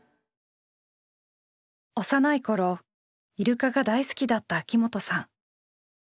幼い頃イルカが大好きだった秋本さん。